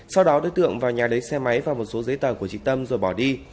sau đó đối tượng vào nhà lấy xe máy và một số giấy tờ của chị tâm rồi bỏ đi